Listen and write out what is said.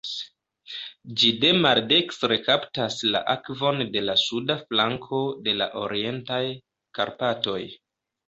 Ĝi de maldekstre kaptas la akvon de la suda flanko de la Orientaj Karpatoj.